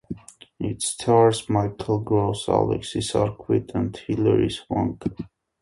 It stars Michael Gross, Alexis Arquette, and Hilary Swank.